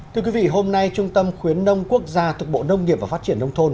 thưa quý vị hôm nay trung tâm khuyến nông quốc gia thực bộ nông nghiệp và phát triển nông thôn